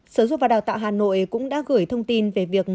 sở dục và đào tạo hà nội cũng đã gửi thông tin về việc